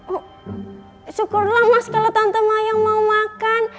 oh syukurlah mas kalau tante mayang mau makan